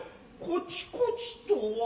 こちこちとは。